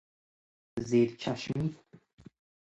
زیر چشمی